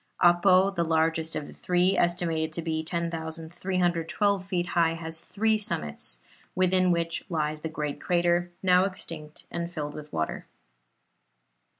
Apo, the largest of the three, estimated to be 10,312 feet high, has three summits, within which lies the great crater, now extinct and filled with water.